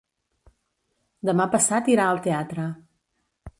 Demà passat irà al teatre.